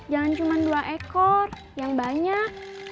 jangan cuma dua ekor yang banyak